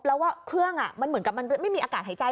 แล้วเครื่องเหมือนกับมันไม่มีอากาศไห้ใจ